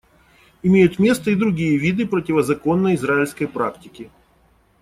Имеют место и другие виды противозаконной израильской практики.